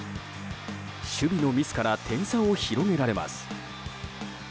守備のミスから点差を広げられます。